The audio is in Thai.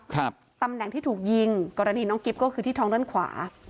ตำแหน่งที่ถูกยิงกรณีน้องกิ๊บก็คือที่ท้องด้านขวา